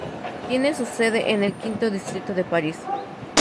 Tiene su sede en el V Distrito de París.